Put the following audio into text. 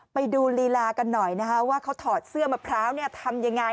ไปดูลีลากันหน่อยนะคะว่าเขาถอดเสื้อมะพร้าวทำยังไง